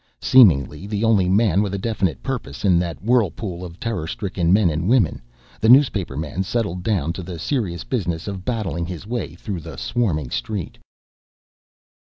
Seemingly the only man with a definite purpose in that whirlpool of terror stricken men and women, the newspaperman settled down to the serious business of battling his way through the swarming street.